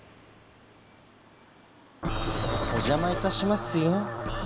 おじゃまいたしますよ。